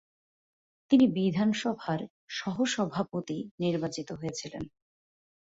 তিনি বিধানসভার সহসভাপতি নির্বাচিত হয়েছিলেন।